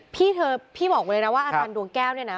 พี่เธอพี่บอกเลยนะว่าอาจารย์ดวงแก้วเนี่ยนะ